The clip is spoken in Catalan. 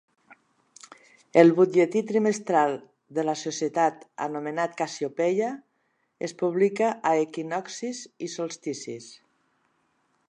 El butlletí trimestral de la societat, anomenat 'Cassiopeia', es publica a equinoccis i solsticis.